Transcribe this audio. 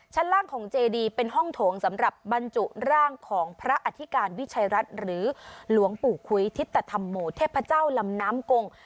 ชั้นล่างของเจดีเป็นห้องโถงสำหรับบรรจุร่างของพระอธิการวิชัยรัฐหรือหลวงปู่คุ้ยทิตธรรมโมเทพเจ้าลำน้ำกง